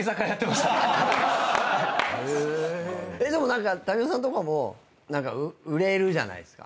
でも民生さんとかも売れるじゃないですか。